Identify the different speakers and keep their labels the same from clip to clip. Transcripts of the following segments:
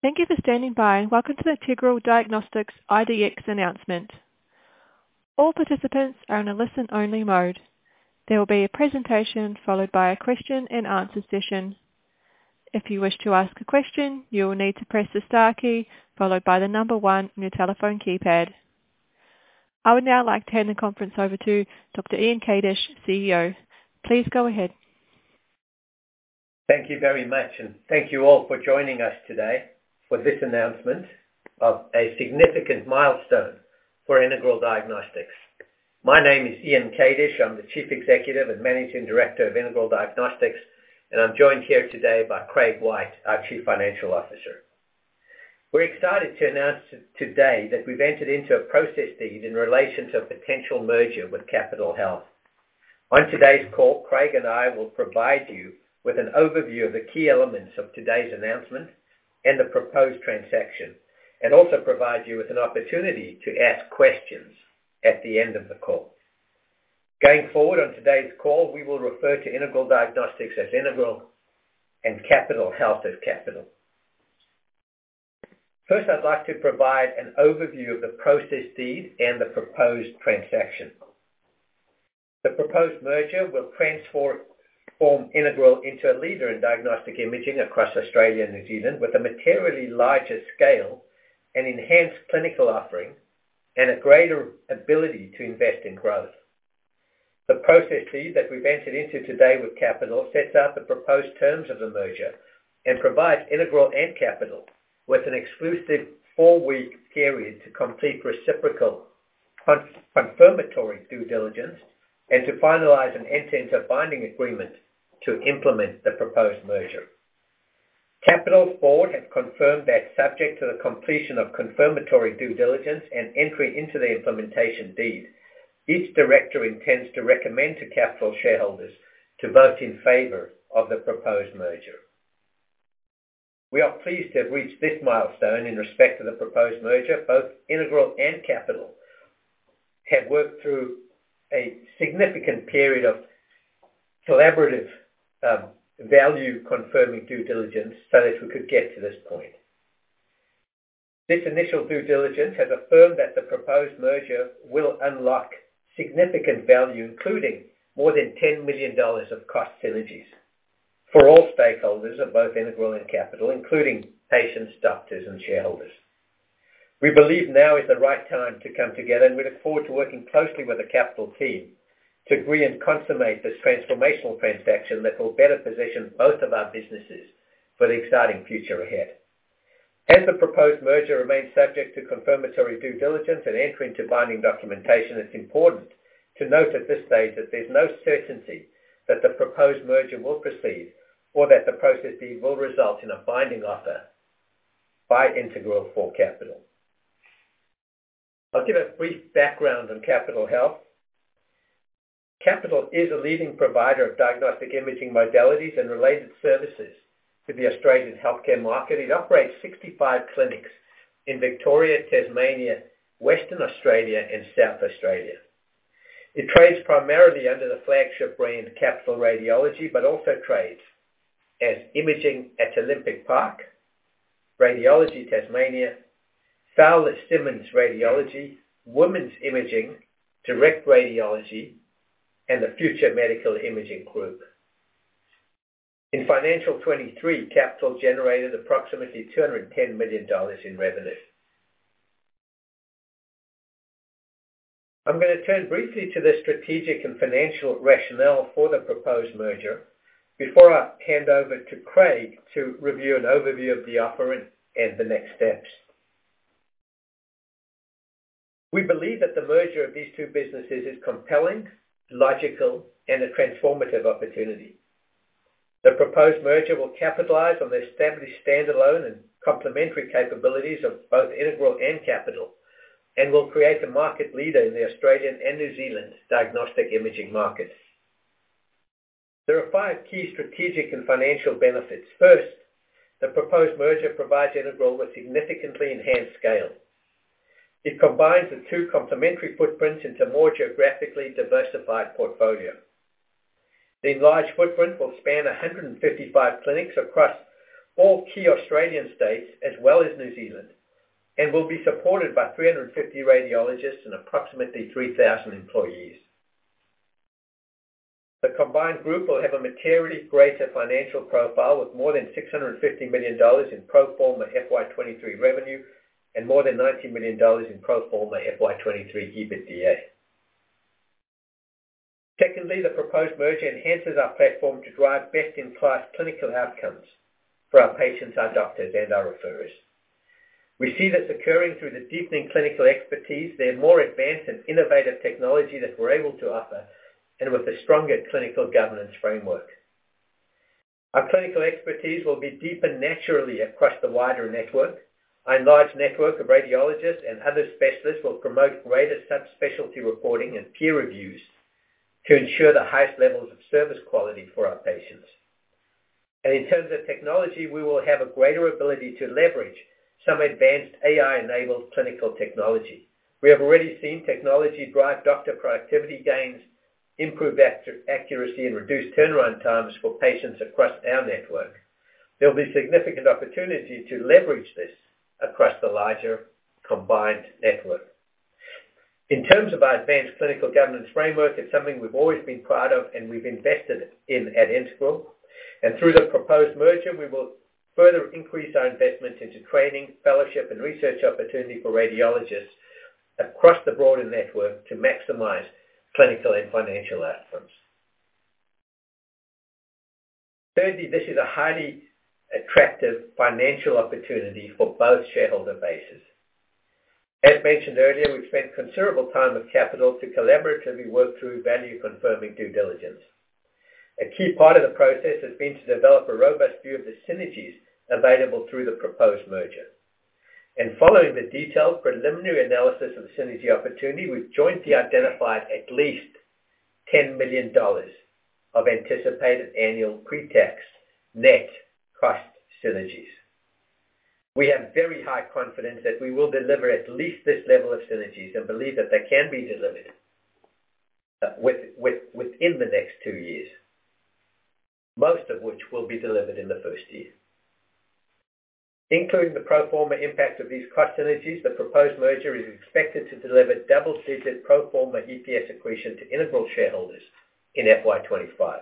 Speaker 1: Thank you for standing by, and welcome to the Integral Diagnostics IDX announcement. All participants are in a listen-only mode. There will be a presentation followed by a question-and-answer session. If you wish to ask a question, you will need to press the star key followed by the number one on your telephone keypad. I would now like to hand the conference over to Dr. Ian Kadish, CEO. Please go ahead.
Speaker 2: Thank you very much, and thank you all for joining us today for this announcement of a significant milestone for Integral Diagnostics. My name is Ian Kadish. I'm the Chief Executive and Managing Director of Integral Diagnostics, and I'm joined here today by Craig White, our Chief Financial Officer. We're excited to announce today that we've entered into a process deed in relation to a potential merger with Capitol Health. On today's call, Craig and I will provide you with an overview of the key elements of today's announcement and the proposed transaction, and also provide you with an opportunity to ask questions at the end of the call. Going forward on today's call, we will refer to Integral Diagnostics as Integral and Capitol Health as Capitol. First, I'd like to provide an overview of the process deed and the proposed transaction. The proposed merger will transform Integral into a leader in diagnostic imaging across Australia and New Zealand, with a materially larger scale and enhanced clinical offering, and a greater ability to invest in growth. The process deed that we've entered into today with Capitol sets out the proposed terms of the merger and provides Integral and Capitol with an exclusive four-week period to complete reciprocal confirmatory due diligence, and to finalize an intent to binding agreement to implement the proposed merger. Capitol's board have confirmed that subject to the completion of confirmatory due diligence and entry into the implementation deed, each director intends to recommend to Capitol shareholders to vote in favor of the proposed merger. We are pleased to have reached this milestone in respect to the proposed merger. Both Integral and Capitol have worked through a significant period of collaborative, value-confirming due diligence so that we could get to this point. This initial due diligence has affirmed that the proposed merger will unlock significant value, including more than 10 million dollars of cost synergies for all stakeholders of both Integral and Capitol, including patients, doctors, and shareholders. We believe now is the right time to come together, and we look forward to working closely with the Capitol team to agree and consummate this transformational transaction that will better position both of our businesses for the exciting future ahead. As the proposed merger remains subject to confirmatory due diligence and entry into binding documentation, it's important to note at this stage that there's no certainty that the proposed merger will proceed, or that the process deed will result in a binding offer by Integral or Capitol. I'll give a brief background on Capitol Health. Capitol is a leading provider of diagnostic imaging modalities and related services to the Australian healthcare market. It operates 65 clinics in Victoria, Tasmania, Western Australia, and South Australia. It trades primarily under the flagship brand, Capitol Radiology, but also trades as Imaging at Olympic Park, Radiology Tasmania, Fowler Simmons Radiology, Women's Imaging, Direct Radiology, and the Future Medical Imaging Group. In financial 2023, Capitol generated approximately 210 million dollars in revenue. I'm gonna turn briefly to the strategic and financial rationale for the proposed merger before I hand over to Craig to review an overview of the offering and the next steps. We believe that the merger of these two businesses is compelling, logical, and a transformative opportunity. The proposed merger will capitalize on the established standalone and complementary capabilities of both Integral and Capitol, and will create a market leader in the Australian and New Zealand's diagnostic imaging markets. There are five key strategic and financial benefits. First, the proposed merger provides Integral with significantly enhanced scale. It combines the two complementary footprints into a more geographically diversified portfolio. The enlarged footprint will span 155 clinics across all key Australian states, as well as New Zealand, and will be supported by 350 radiologists and approximately 3,000 employees. The combined group will have a materially greater financial profile, with more than 650 million dollars in pro forma FY 2023 revenue, and more than 90 million dollars in pro forma FY 2023 EBITDA. Secondly, the proposed merger enhances our platform to drive best-in-class clinical outcomes for our patients, our doctors, and our referrers. We see this occurring through the deepening clinical expertise, the more advanced and innovative technology that we're able to offer, and with a stronger clinical governance framework. Our clinical expertise will be deepened naturally across the wider network. Our large network of radiologists and other specialists will promote greater subspecialty reporting and peer reviews to ensure the highest levels of service quality for our patients. In terms of technology, we will have a greater ability to leverage some advanced AI-enabled clinical technology. We have already seen technology-driven doctor productivity gains improve the accuracy and reduce turnaround times for patients across our network. There'll be significant opportunity to leverage this across the larger combined network. In terms of our advanced clinical governance framework, it's something we've always been proud of and we've invested in at Integral. Through the proposed merger, we will further increase our investment into training, fellowship, and research opportunity for radiologists across the broader network to maximize clinical and financial outcomes. Thirdly, this is a highly attractive financial opportunity for both shareholder bases. As mentioned earlier, we've spent considerable time with Capitol to collaboratively work through value-confirming due diligence. A key part of the process has been to develop a robust view of the synergies available through the proposed merger. Following the detailed preliminary analysis of the synergy opportunity, we've jointly identified at least 10 million dollars of anticipated annual pre-tax net cost synergies. We have very high confidence that we will deliver at least this level of synergies and believe that they can be delivered within the next two years, most of which will be delivered in the first year. Including the pro forma impact of these cost synergies, the proposed merger is expected to deliver double-digit pro forma EPS accretion to Integral shareholders in FY 2025.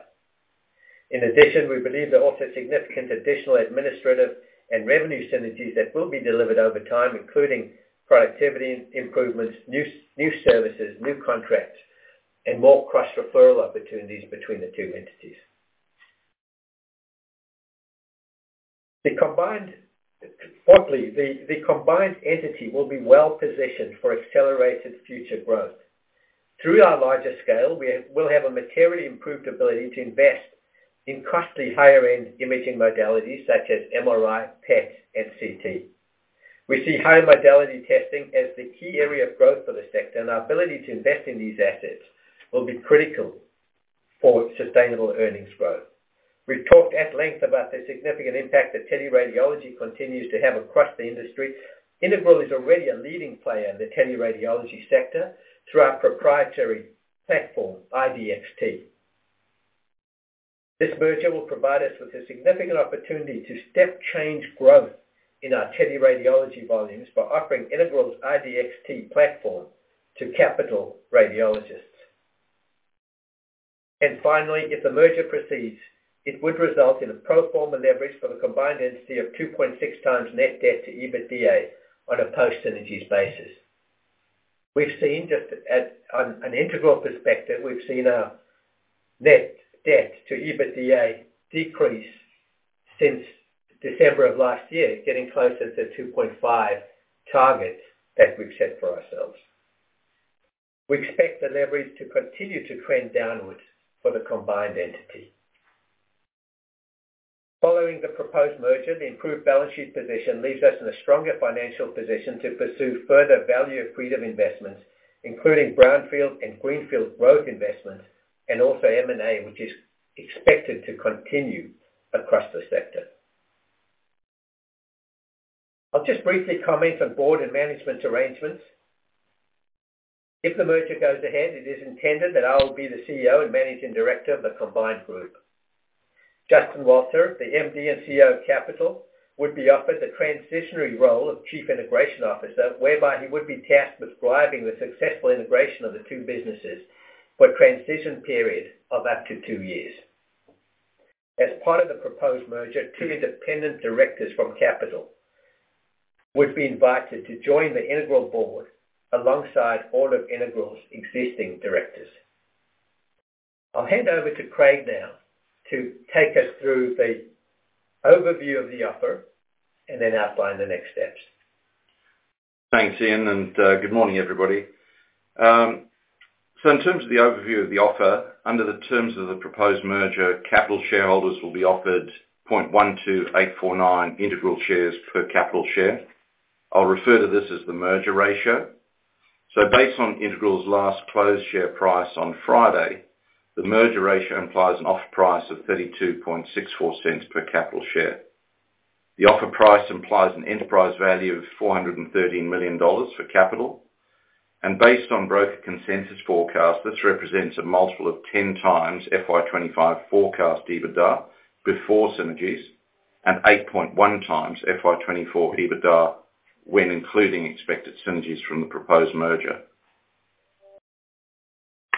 Speaker 2: In addition, we believe there are also significant additional administrative and revenue synergies that will be delivered over time, including productivity improvements, new services, new contracts, and more cross-referral opportunities between the two entities. Fourthly, the combined entity will be well positioned for accelerated future growth. Through our larger scale, we'll have a materially improved ability to invest in costly higher-end imaging modalities such as MRI, PET, and CT. We see higher modality testing as the key area of growth for the sector, and our ability to invest in these assets will be critical for sustainable earnings growth. We've talked at length about the significant impact that teleradiology continues to have across the industry. Integral is already a leading player in the teleradiology sector through our proprietary platform, IDXt. This merger will provide us with a significant opportunity to step change growth in our teleradiology volumes by offering Integral's IDXt platform to Capitol Radiology. Finally, if the merger proceeds, it would result in a pro forma leverage for the combined entity of 2.6x net debt to EBITDA on a post-synergies basis. We've seen, on an Integral perspective, our net debt to EBITDA decrease since December of last year, getting closer to 2.5 target that we've set for ourselves. We expect the leverage to continue to trend downwards for the combined entity. Following the proposed merger, the improved balance sheet position leaves us in a stronger financial position to pursue further value accretive investments, including brownfield and greenfield growth investments, and also M&A, which is expected to continue across the sector. I'll just briefly comment on board and management arrangements. If the merger goes ahead, it is intended that I will be the CEO and Managing Director of the combined group. Justin Walter, the MD and CEO of Capitol, would be offered the transitionary role of Chief Integration Officer, whereby he would be tasked with driving the successful integration of the two businesses for a transition period of up to two years. As part of the proposed merger, two independent directors from Capitol would be invited to join the Integral board alongside all of Integral's existing directors. I'll hand over to Craig now to take us through the overview of the offer, and then outline the next steps.
Speaker 3: Thanks, Ian, and good morning, everybody. So in terms of the overview of the offer, under the terms of the proposed merger, Capitol shareholders will be offered 0.12849 Integral shares per Capitol share. I'll refer to this as the merger ratio. So based on Integral's last closed share price on Friday, the merger ratio implies an offer price of 0.3264 per Capitol share. The offer price implies an enterprise value of 413 million dollars for Capitol, and based on broker consensus forecast, this represents a multiple of 10x FY 2025 forecast EBITDA before synergies, and 8.1x FY 2024 EBITDA when including expected synergies from the proposed merger.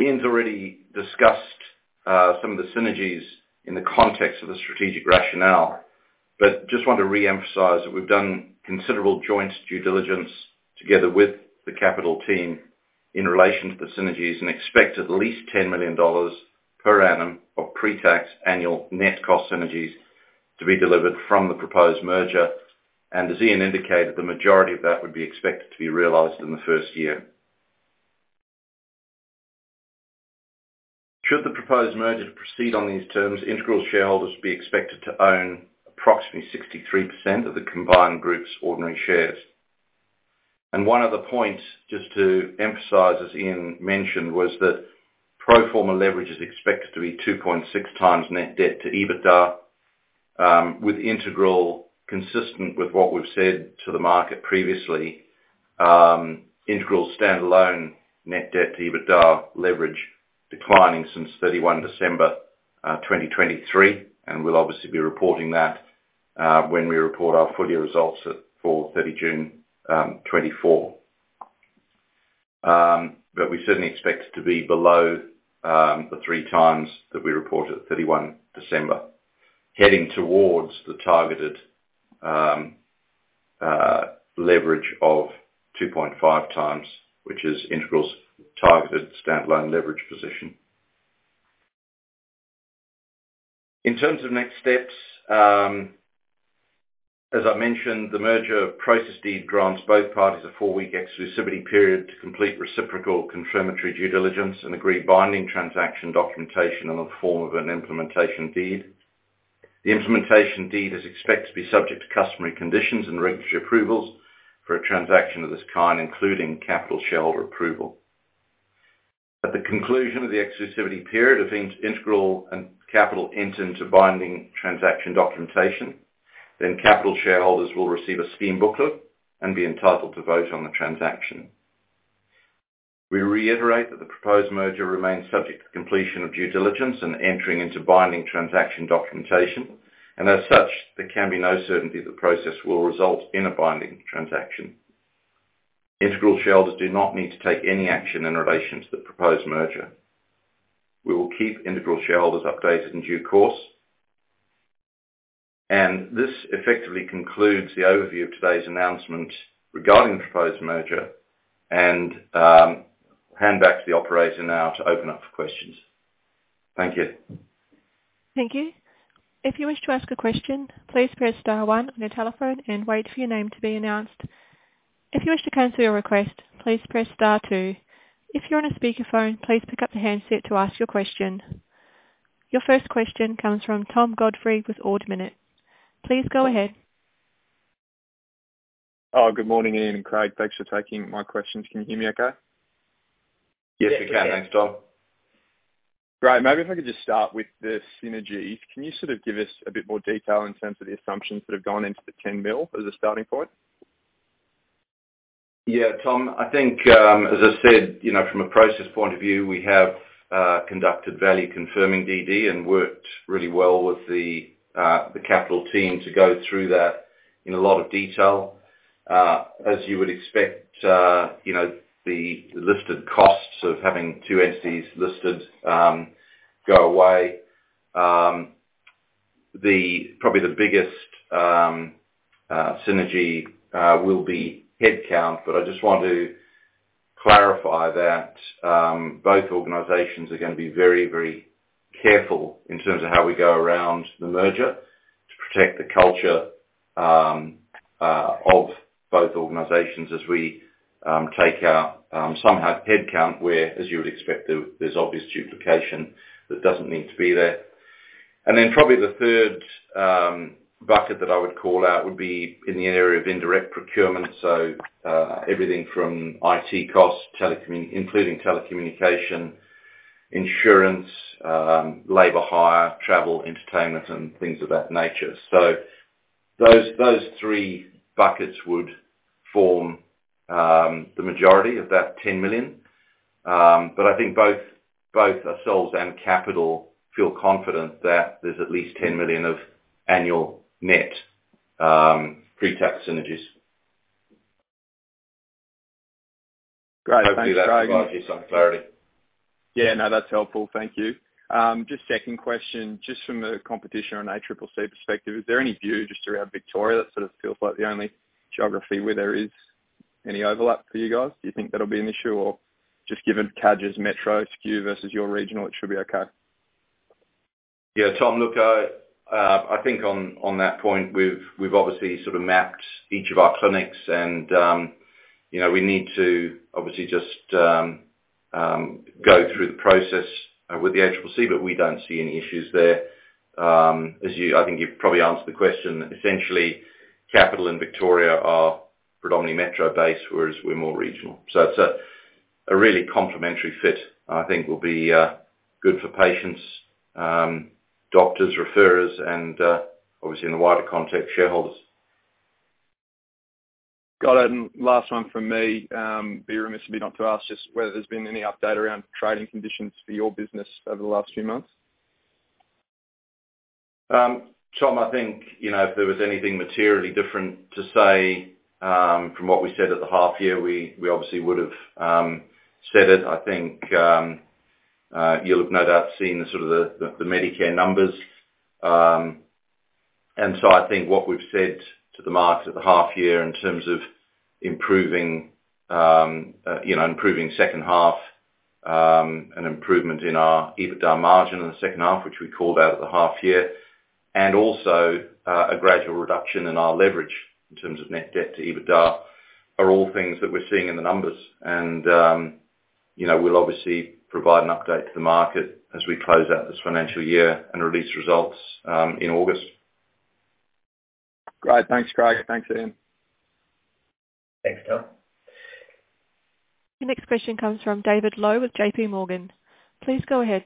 Speaker 3: Ian’s already discussed some of the synergies in the context of the strategic rationale, but just want to reemphasize that we’ve done considerable joint due diligence together with the Capitol team in relation to the synergies, and expect at least 10 million dollars per annum of pre-tax annual net cost synergies to be delivered from the proposed merger. As Ian indicated, the majority of that would be expected to be realized in the first year. Should the proposed merger proceed on these terms, Integral shareholders will be expected to own approximately 63% of the combined group’s ordinary shares. One other point, just to emphasize, as Ian mentioned, was that pro forma leverage is expected to be 2.6x net debt to EBITDA. With Integral, consistent with what we've said to the market previously, Integral's standalone net debt to EBITDA leverage declining since 31 December 2023, and we'll obviously be reporting that when we report our full year results for 30 June 2024. But we certainly expect it to be below the 3x that we reported at 31 December, heading towards the targeted leverage of 2.5x, which is Integral's targeted standalone leverage position. In terms of next steps, as I mentioned, the merger process deed grants both parties a four-week exclusivity period to complete reciprocal confirmatory due diligence and agree binding transaction documentation in the form of an implementation deed. The implementation deed is expected to be subject to customary conditions and regulatory approvals for a transaction of this kind, including Capitol shareholder approval. At the conclusion of the exclusivity period, if Integral and Capitol enter into binding transaction documentation, then Capitol shareholders will receive a scheme booklet and be entitled to vote on the transaction. We reiterate that the proposed merger remains subject to completion of due diligence and entering into binding transaction documentation, and as such, there can be no certainty the process will result in a binding transaction. Integral shareholders do not need to take any action in relation to the proposed merger. We will keep Integral shareholders updated in due course. This effectively concludes the overview of today's announcement regarding the proposed merger, and hand back to the operator now to open up for questions. Thank you.
Speaker 1: Thank you. If you wish to ask a question, please press star one on your telephone and wait for your name to be announced. If you wish to cancel your request, please press star two. If you're on a speakerphone, please pick up the handset to ask your question. Your first question comes from Tom Godfrey with Ord Minnett. Please go ahead.
Speaker 4: Oh, good morning, Ian and Craig. Thanks for taking my questions. Can you hear me okay?
Speaker 3: Yes, we can. Thanks, Tom.
Speaker 4: Great. Maybe if I could just start with the synergy. Can you sort of give us a bit more detail in terms of the assumptions that have gone into the 10 million as a starting point?
Speaker 3: Yeah, Tom, I think, as I said, you know, from a process point of view, we have conducted value confirming DD, and worked really well with the Capitol team to go through that in a lot of detail. As you would expect, you know, the lifted costs of having two entities listed go away. The biggest synergy will be headcount, but I just want to clarify that both organizations are gonna be very, very careful in terms of how we go around the merger to protect the culture of both organizations as we take out some headcount, where, as you would expect, there's obvious duplication that doesn't need to be there. And then probably the third bucket that I would call out would be in the area of indirect procurement. So, everything from IT costs, including telecommunication, insurance, labor hire, travel, entertainment, and things of that nature. So those, those three buckets would form the majority of that 10 million. But I think both, both ourselves and Capitol feel confident that there's at least 10 million of annual net pre-tax synergies.
Speaker 4: Great. Thanks, Craig.
Speaker 3: Hopefully that provides you some clarity.
Speaker 4: Yeah, no, that's helpful. Thank you. Just second question, just from a competition and ACCC perspective, is there any view just around Victoria that sort of feels like the only geography where there is any overlap for you guys? Do you think that'll be an issue, or just given Capitol's metro MSK versus your regional, it should be okay?
Speaker 3: Yeah, Tom, look, I think on that point, we've obviously sort of mapped each of our clinics and, you know, we need to obviously just go through the process with the ACCC, but we don't see any issues there. As you, I think you've probably answered the question, essentially, Capitol and Victoria are predominantly metro based, whereas we're more regional. So it's a really complementary fit, and I think will be good for patients, doctors, referrers, and obviously in the wider context, shareholders.
Speaker 4: Got it. And last one from me, be remiss of me not to ask just whether there's been any update around trading conditions for your business over the last few months?
Speaker 3: Tom, I think, you know, if there was anything materially different to say, from what we said at the half year, we obviously would have said it. I think, you'll have no doubt seen the sort of the, the Medicare numbers. And so I think what we've said to the market at the half year, in terms of improving, you know, improving second half, an improvement in our EBITDA margin in the second half, which we called out at the half year, and also, a gradual reduction in our leverage in terms of net debt to EBITDA, are all things that we're seeing in the numbers. And, you know, we'll obviously provide an update to the market as we close out this financial year and release results, in August.
Speaker 4: Great. Thanks, Craig. Thanks, Ian.
Speaker 2: Thanks, Tom.
Speaker 1: Your next question comes from David Low with J.P. Morgan. Please go ahead.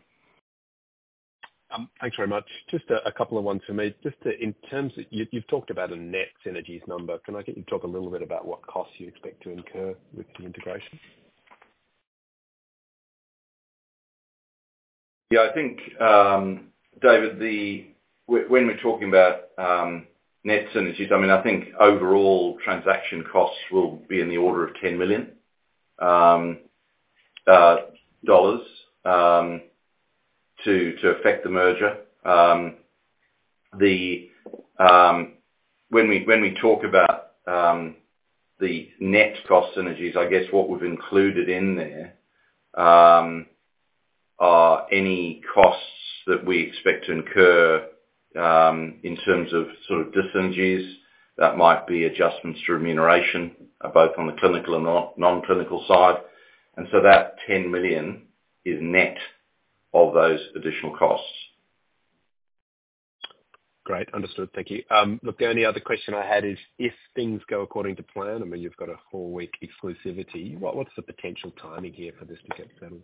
Speaker 5: Thanks very much. Just a couple of ones for me. Just to, in terms of, you, you've talked about a net synergies number. Can I get you to talk a little bit about what costs you expect to incur with the integration?
Speaker 3: Yeah, I think, David, when we're talking about net synergies, I mean, I think overall transaction costs will be in the order of 10 million dollars to effect the merger. When we talk about the net cost synergies, I guess what we've included in there are any costs that we expect to incur in terms of sort of dissynergies, that might be adjustments to remuneration both on the clinical and non-clinical side. And so that 10 million is net of those additional costs.
Speaker 5: Great. Understood. Thank you. Look, the only other question I had is, if things go according to plan, I mean, you've got a four-week exclusivity, what's the potential timing here for this to get settled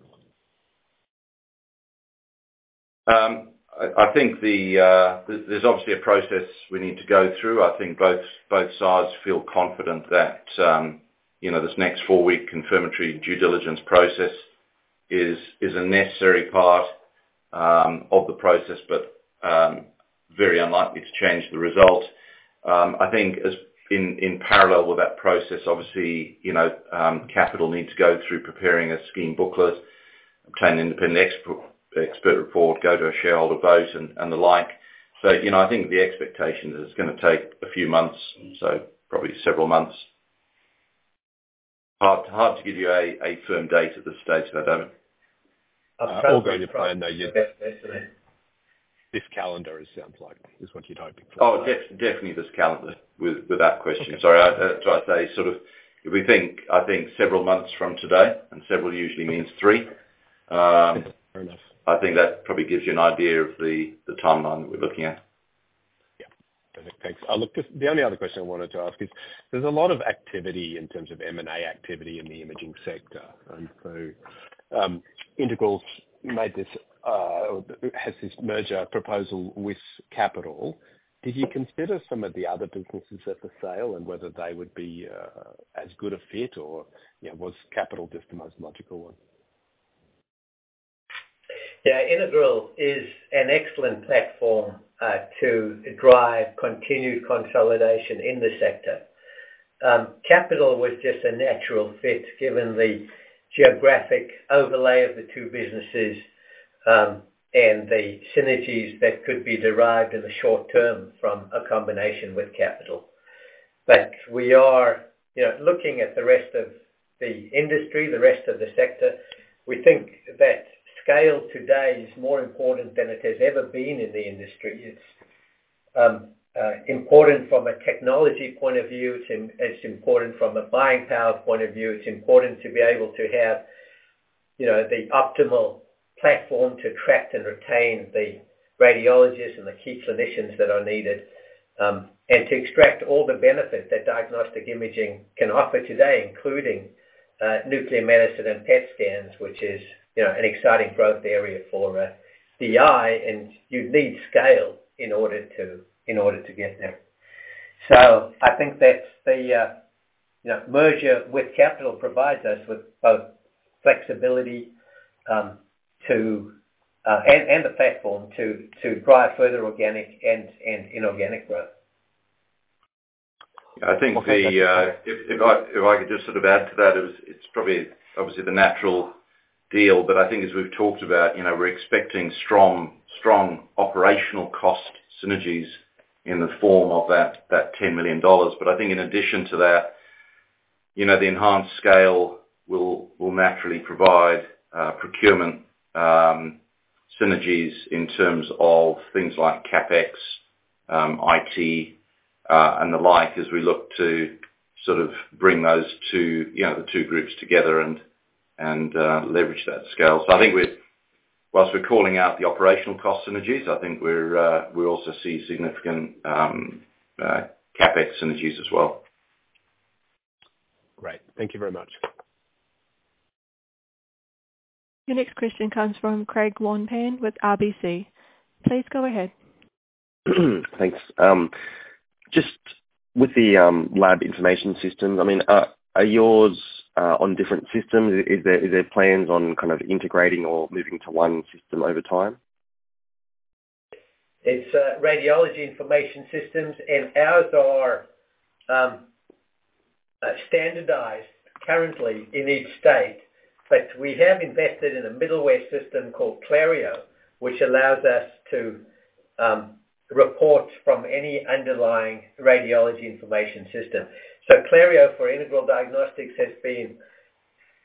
Speaker 5: on?
Speaker 3: I think there's obviously a process we need to go through. I think both sides feel confident that, you know, this next four-week confirmatory due diligence process is a necessary part of the process, but very unlikely to change the result. I think in parallel with that process, obviously, you know, Capitol needs to go through preparing a Scheme booklet, obtain an independent expert report, go to a shareholder vote, and the like. So, you know, I think the expectation is it's gonna take a few months, so probably several months. Hard to give you a firm date at this stage, but all going to plan, though, yeah.
Speaker 5: This calendar is, sounds like, what you're hoping for?
Speaker 3: Oh, definitely this calendar, with, without question.
Speaker 5: Okay.
Speaker 3: Sorry, I, do I say sort of, we think, I think several months from today, and several usually means three.
Speaker 5: Very nice.
Speaker 3: I think that probably gives you an idea of the timeline that we're looking at.
Speaker 5: Yeah. Perfect. Thanks. Look, just the only other question I wanted to ask is, there's a lot of activity in terms of M&A activity in the imaging sector, and so, Integral has this merger proposal with Capitol. Did you consider some of the other businesses at the sale and whether they would be as good a fit, or, you know, was Capitol just the most logical one?
Speaker 2: Yeah, Integral is an excellent platform to drive continued consolidation in the sector. Capitol was just a natural fit given the geographic overlay of the two businesses, and the synergies that could be derived in the short term from a combination with Capitol. But we are, you know, looking at the rest of the industry, the rest of the sector. We think that scale today is more important than it has ever been in the industry. It's important from a technology point of view, it's important from a buying power point of view. It's important to be able to have, you know, the optimal platform to attract and retain the radiologists and the key clinicians that are needed, and to extract all the benefits that diagnostic imaging can offer today, including nuclear medicine and PET scans, which is, you know, an exciting growth area for DI, and you need scale in order to get there. So I think that's the merger with Capitol provides us with both flexibility and the platform to drive further organic and inorganic growth.
Speaker 3: I think if I could just sort of add to that, it's probably obviously the natural deal, but I think as we've talked about, you know, we're expecting strong operational cost synergies in the form of that 10 million dollars. But I think in addition to that, you know, the enhanced scale will naturally provide procurement synergies in terms of things like CapEx, IT, and the like, as we look to sort of bring those two, you know, the two groups together and leverage that scale. So I think, whilst we're calling out the operational cost synergies, I think we also see significant CapEx synergies as well.
Speaker 5: Great. Thank you very much.
Speaker 1: Your next question comes from Craig Wong-Pan with RBC. Please go ahead.
Speaker 6: Thanks. Just with the lab information systems, I mean, are yours on different systems? Is there, are there plans on kind of integrating or moving to one system over time?
Speaker 2: It's radiology information systems, and ours are standardized currently in each state, but we have invested in a middleware system called Clario, which allows us to report from any underlying radiology information system. So Clario, for Integral Diagnostics, has been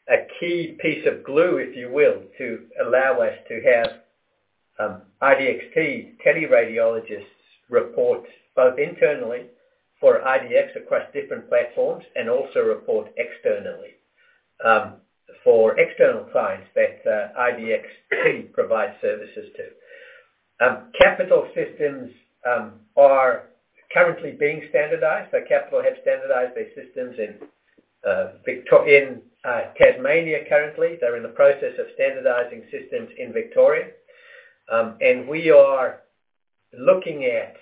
Speaker 2: a key piece of glue, if you will, to allow us to have IDXt teleradiologists report both internally for IDX across different platforms, and also report externally for external clients that IDXt provides services to. Capitol's systems are currently being standardized. So Capitol have standardized their systems in Tasmania currently. They're in the process of standardizing systems in Victoria. And we are looking at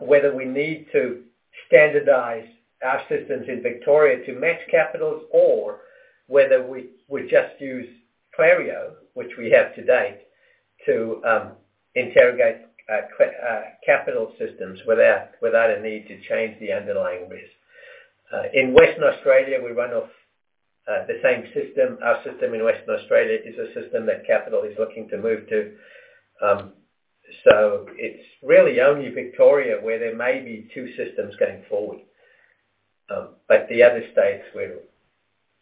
Speaker 2: whether we need to standardize our systems in Victoria to match Capitol's, or whether we just use Clario, which we have today, to interrogate Capitol systems without a need to change the underlying RIS. In Western Australia, we run off the same system. Our system in Western Australia is a system that Capitol is looking to move to. So it's really only Victoria, where there may be two systems going forward. But the other states we're,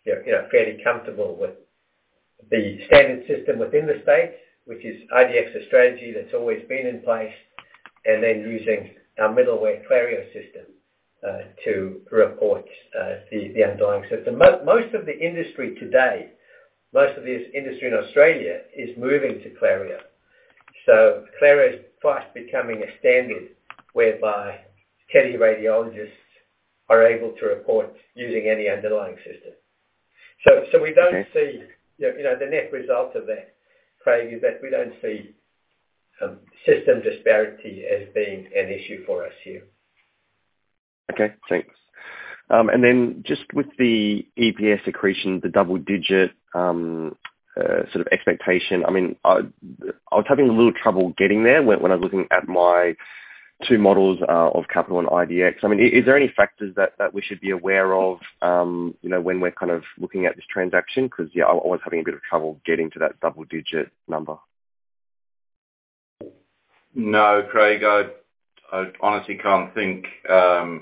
Speaker 2: you know, fairly comfortable with the standard system within the state, which is IDX's strategy that's always been in place, and then using our middleware, Clario system, to report the underlying system. Most of the industry today, most of this industry in Australia, is moving to Clario. So Clario is fast becoming a standard, whereby any radiologists are able to report using any underlying system. So, we don't see-
Speaker 6: Okay.
Speaker 2: You know, the net result of that, Craig, is that we don't see system disparity as being an issue for us here.
Speaker 6: Okay, thanks. And then just with the EPS accretion, the double-digit, sort of expectation, I mean, I was having a little trouble getting there when I was looking at my two models of Capitol and IDX. I mean, is there any factors that we should be aware of, you know, when we're kind of looking at this transaction? Because, yeah, I was having a bit of trouble getting to that double-digit number.
Speaker 3: No, Craig, I honestly can't think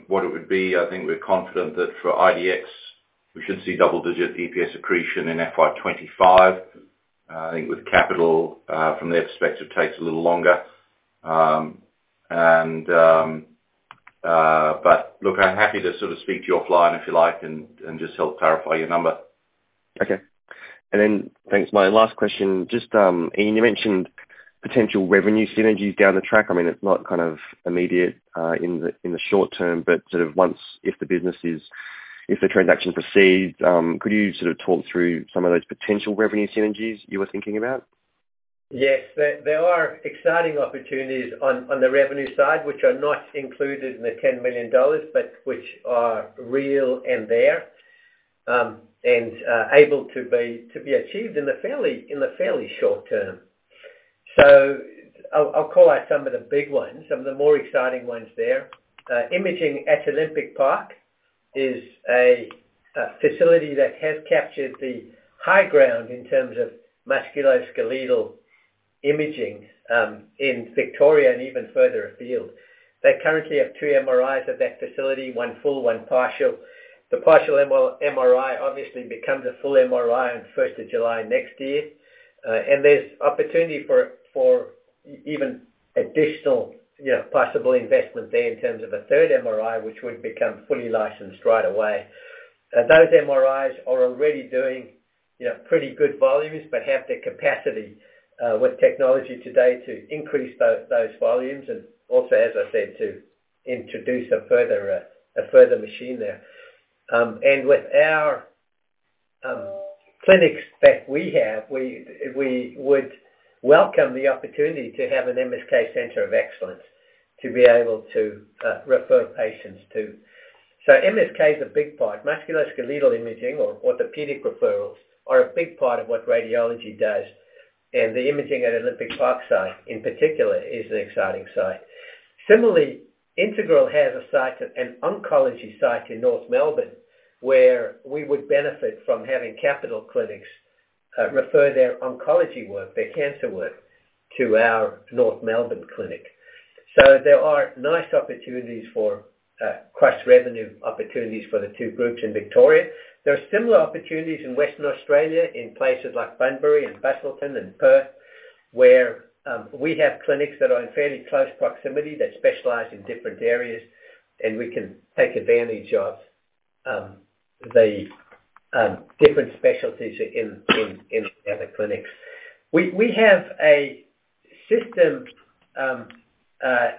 Speaker 3: what it would be. I think we're confident that for IDX, we should see double-digit EPS accretion in FY 2025. I think with Capitol, from their perspective, takes a little longer. But look, I'm happy to sort of speak to you offline if you like, and just help clarify your number.
Speaker 6: Okay. And then, thanks. My last question, just, Ian, you mentioned potential revenue synergies down the track. I mean, it's not kind of immediate, in the, in the short term, but sort of once, if the business is, if the transaction proceeds, could you sort of talk through some of those potential revenue synergies you were thinking about?
Speaker 2: Yes. There are exciting opportunities on the revenue side, which are not included in the 10 million dollars, but which are real and able to be achieved in the fairly short term. So I'll call out some of the big ones, some of the more exciting ones there. Imaging at Olympic Park is a facility that has captured the high ground in terms of musculoskeletal imaging in Victoria and even further afield. They currently have two MRIs at that facility, one full, one partial. The partial MRI obviously becomes a full MRI on the first of July next year. And there's opportunity for even additional, you know, possible investment there in terms of a third MRI, which would become fully licensed right away. Those MRIs are already doing, you know, pretty good volumes, but have the capacity with technology today to increase those volumes, and also, as I said, to introduce a further machine there. With our clinics that we have, we would welcome the opportunity to have an MSK center of excellence to be able to refer patients to. So MSK is a big part. Musculoskeletal imaging or orthopedic referrals are a big part of what radiology does, and the Imaging at Olympic Park site, in particular, is an exciting site. Similarly, Integral has a site, an oncology site in North Melbourne, where we would benefit from having Capitol Clinics refer their oncology work, their cancer work to our North Melbourne clinic. So there are nice opportunities for cross-revenue opportunities for the two groups in Victoria. There are similar opportunities in Western Australia, in places like Bunbury and Busselton and Perth, where we have clinics that are in fairly close proximity, that specialize in different areas, and we can take advantage of the different specialties in the other clinics. We have a system at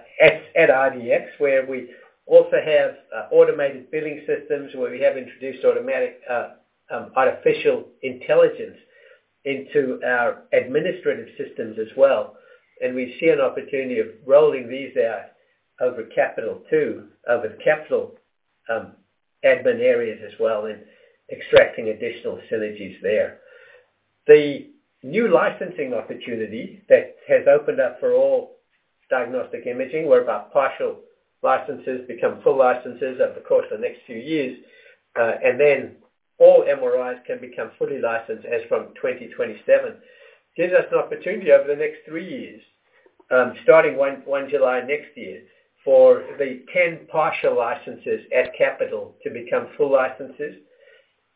Speaker 2: IDX, where we also have automated billing systems, where we have introduced automatic artificial intelligence into our administrative systems as well. We see an opportunity of rolling these out over Capitol, too, over Capitol admin areas as well, and extracting additional synergies there. The new licensing opportunity that has opened up for all diagnostic imaging, whereby partial licenses become full licenses over the course of the next few years, and then all MRIs can become fully licensed as from 2027. Gives us an opportunity over the next three years, starting 1 July next year, for the 10 partial licenses at Capitol to become full licenses,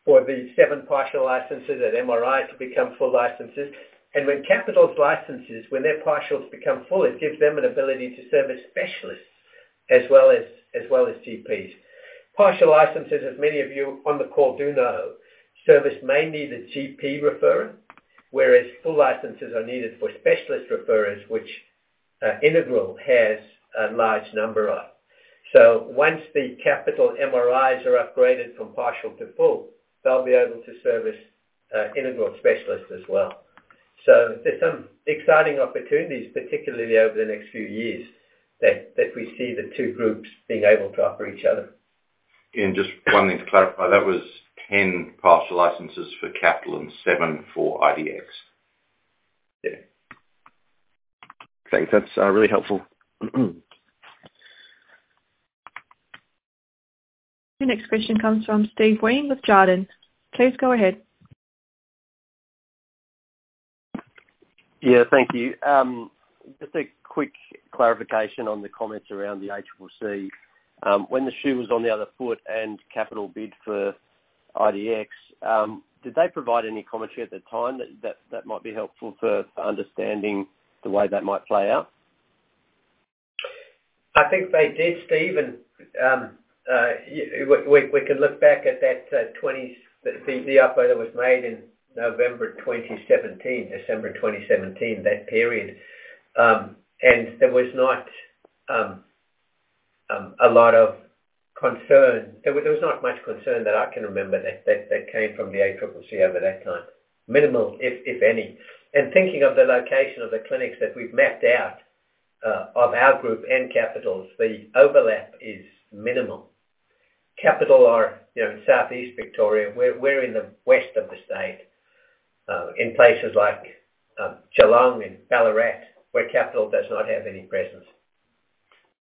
Speaker 2: for the seven partial licenses at MRI to become full licenses. And when Capitol's licenses, when their partials become full, it gives them an ability to service specialists as well as, as well as GPs. Partial licenses, as many of you on the call do know, service may need a GP referral, whereas full licenses are needed for specialist referrers, which Integral has a large number of. So once the Capitol MRIs are upgraded from partial to full, they'll be able to service Integral specialists as well. So there's some exciting opportunities, particularly over the next few years, that we see the two groups being able to offer each other.
Speaker 3: Just one thing to clarify, that was 10 partial licenses for Capitol and seven for IDX.
Speaker 2: Yeah.
Speaker 6: Thanks. That's really helpful.
Speaker 1: Your next question comes from Steve Wheen with Jarden. Please go ahead.
Speaker 7: Yeah, thank you. Just a quick clarification on the comments around the ACCC. When the shoe was on the other foot and Capitol bid for IDX, did they provide any commentary at the time that might be helpful for understanding the way that might play out?
Speaker 2: I think they did, Steve, and we can look back at that, the offer that was made in November 2017, December 2017, that period. And there was not a lot of concern. There was not much concern that I can remember that came from the ACCC over that time. Minimal, if any. And thinking of the location of the clinics that we've mapped out, of our group and Capitol's, the overlap is minimal. Capitol are, you know, in Southeast Victoria. We're in the west of the state, in places like Geelong and Ballarat, where Capitol does not have any presence.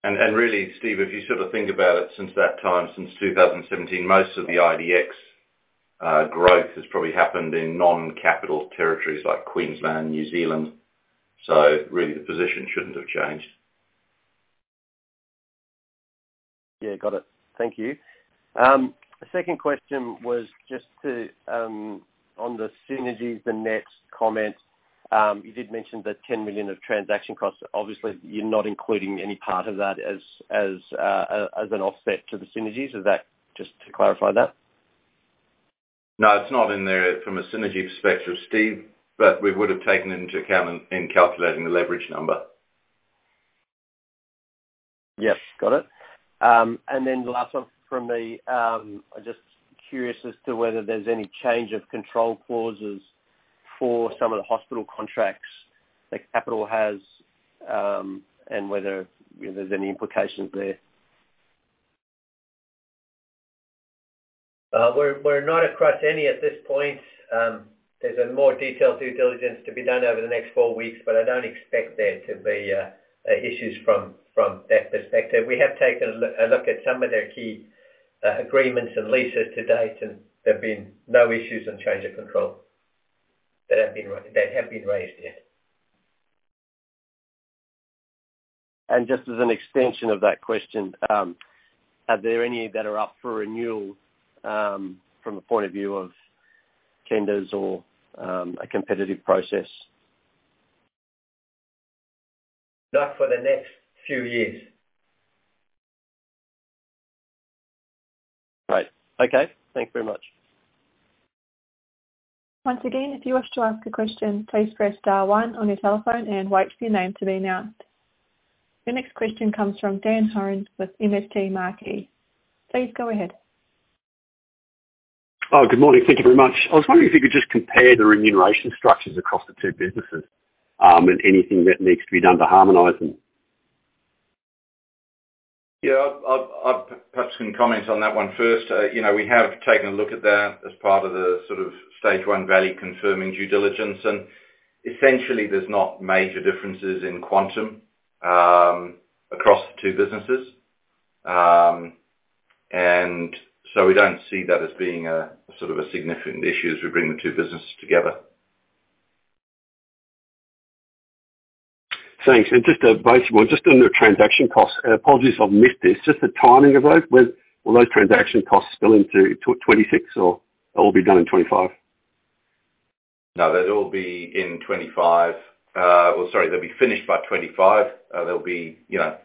Speaker 3: And really, Steve, if you sort of think about it, since that time, since 2017, most of the IDX growth has probably happened in non-Capitol territories like Queensland, New Zealand, so really, the position shouldn't have changed.
Speaker 7: Yeah, got it. Thank you. The second question was just to on the synergies, the net comment, you did mention the 10 million of transaction costs. Obviously, you're not including any part of that as an offset to the synergies. Is that just to clarify that?
Speaker 3: No, it's not in there from a synergy perspective, Steve, but we would've taken it into account in calculating the leverage number.
Speaker 7: Yes, got it. And then the last one from me, I'm just curious as to whether there's any change of control clauses for some of the hospital contracts that Capitol has, and whether there's any implications there.
Speaker 2: We're not across any at this point. There's a more detailed due diligence to be done over the next four weeks, but I don't expect there to be issues from that perspective. We have taken a look at some of their key agreements and leases to date, and there have been no issues on change of control that have been raised yet.
Speaker 7: Just as an extension of that question, are there any that are up for renewal, from a point of view of tenders or a competitive process?
Speaker 2: Not for the next few years.
Speaker 7: Great. Okay, thanks very much.
Speaker 1: Once again, if you wish to ask a question, please press star one on your telephone and wait for your name to be announced. The next question comes from Dan Hurren with MST Marquee. Please go ahead.
Speaker 8: Oh, good morning. Thank you very much. I was wondering if you could just compare the remuneration structures across the two businesses, and anything that needs to be done to harmonize them?
Speaker 3: Yeah, I'll perhaps can comment on that one first. You know, we have taken a look at that as part of the sort of phase one value confirming due diligence, and essentially, there's not major differences in quantum across the two businesses. And so we don't see that as being a sort of a significant issue as we bring the two businesses together.
Speaker 8: Thanks. Just on the transaction costs, apologies if I've missed this, just the timing of those. When will those transaction costs spill into 2026 or all be done in 2025?
Speaker 3: No, they'll all be in 2025. Well, sorry, they'll be finished by 2025. There'll be, you know,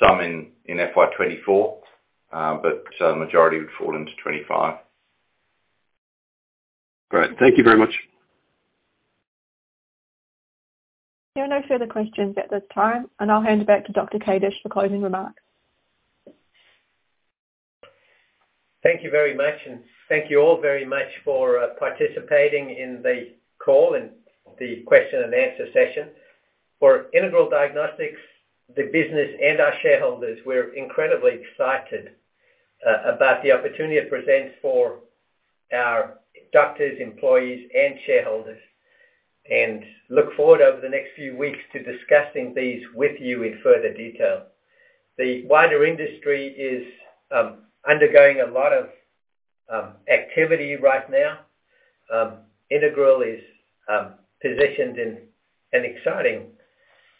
Speaker 3: some in FY 2024, but so the majority would fall into 2025.
Speaker 8: Great. Thank you very much.
Speaker 1: There are no further questions at this time, and I'll hand it back to Dr. Ian Kadish for closing remarks.
Speaker 2: Thank you very much, and thank you all very much for participating in the call and the question and answer session. For Integral Diagnostics, the business and our shareholders, we're incredibly excited about the opportunity it presents for our doctors, employees, and shareholders, and look forward over the next few weeks to discussing these with you in further detail. The wider industry is undergoing a lot of activity right now. Integral is positioned in an exciting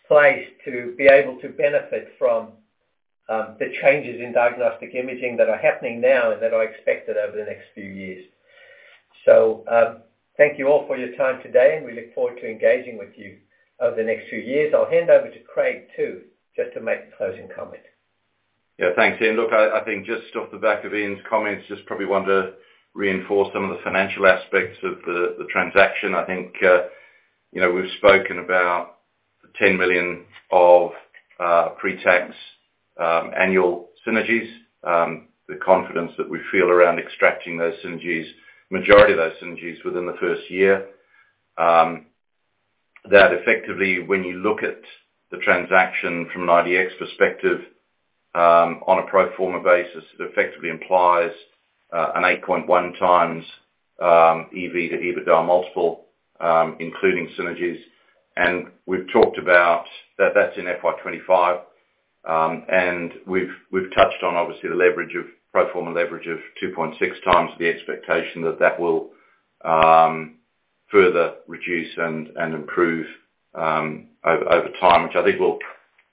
Speaker 2: place to be able to benefit from the changes in diagnostic imaging that are happening now, and that are expected over the next few years. So, thank you all for your time today, and we look forward to engaging with you over the next few years. I'll hand over to Craig too, just to make the closing comment.
Speaker 3: Yeah. Thanks, Ian. Look, I think just off the back of Ian's comments, just probably want to reinforce some of the financial aspects of the transaction. I think, you know, we've spoken about the 10 million of pre-tax annual synergies, the confidence that we feel around extracting those synergies, majority of those synergies within the first year. That effectively, when you look at the transaction from an IDX perspective, on a pro forma basis, it effectively implies an 8.1x EV to EBITDA multiple, including synergies. And we've talked about. That's in FY 2025. And we've touched on, obviously, the pro forma leverage of 2.6x, the expectation that that will further reduce and improve over time, which I think will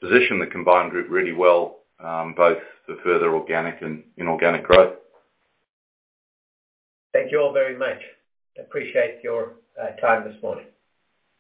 Speaker 3: position the combined group really well, both for further organic and inorganic growth.
Speaker 2: Thank you all very much. Appreciate your time this morning.